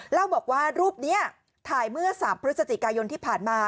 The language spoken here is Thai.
เล่าบอกว่ารูปนี้ถ่ายเมื่อ๓พฤศจิกายนที่ผ่านมา